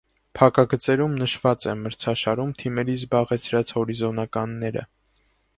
(Փակագծերում նշված է մրցաշարում թիմերի զբաղեցրած հորիզոնականները։